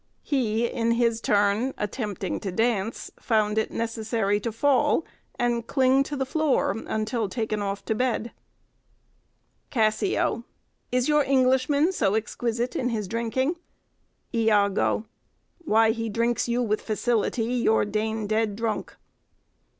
He in his turn, attempting to dance, found it necessary to fall, and cling to the floor, until taken off to bed. "Cassio. Is your Englishman so exquisite in his drinking? Iago. Why, he drinks you with facility, your Dane dead drunk."